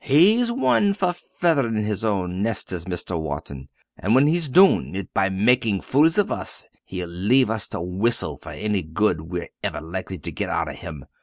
He's one for featherin' his own nest is Mr. Wharton and when he's doon it by makkin' fools of us, he'll leave us to whistle for any good we're iver likely to get out o' _him.